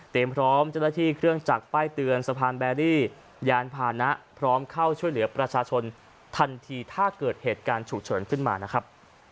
พร้อมเจ้าหน้าที่เครื่องจักรป้ายเตือนสะพานแบรี่ยานพานะพร้อมเข้าช่วยเหลือประชาชนทันทีถ้าเกิดเหตุการณ์ฉุกเฉินขึ้นมานะครับ